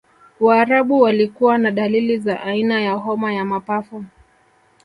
waarabu walikuwa na dalili za aina ya homa ya mapafu